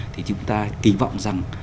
thì chúng ta kỳ vọng rằng